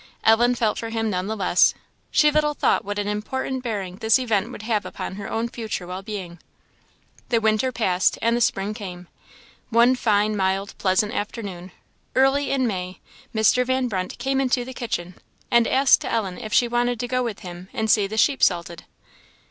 Ellen felt for him none the less. She little thought what an important bearing this event would have upon her own future well being. The winter passed and the spring came. One fine, mild, pleasant afternoon, early in May, Mr. Van Brunt came into the kitchen and asked Ellen if she wanted to go with him and see the sheep salted.